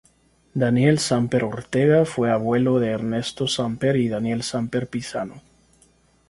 Daniel Samper Ortega fue abuelo de Ernesto Samper y Daniel Samper Pizano.